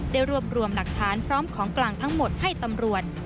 ได้รวบรวมหลักฐานพร้อมของกลางทั้งหมดให้ตำรวจ